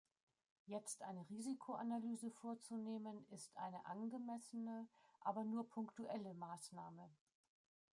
Jetzt eine Risikoanalyse vorzunehmen, ist eine angemessene aber nur punktuelle Maßnahme.